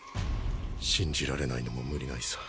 信じられないのも無理ないさ。